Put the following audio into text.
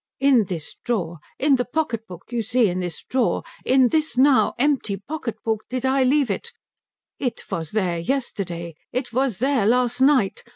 "In this drawer in the pocket book you see in this drawer in this now empty pocket book, did I leave it. It was there yesterday. It was there last night.